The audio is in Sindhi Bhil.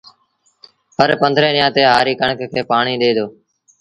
هرپنڌرهين ڏيݩهݩ تي هآري ڪڻڪ کي پآڻيٚ ڏي دو